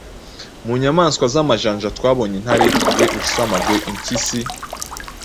Mu nyamaswa z’amajanja twabonye intare, ingwe, urusamagwe, impyisi